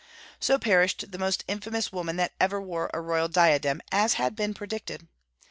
So perished the most infamous woman that ever wore a royal diadem, as had been predicted.